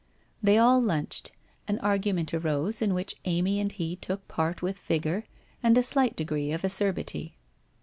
They all lunched. An argument arose in which Amy and he took part with vigour, and a slight degree of acerbity.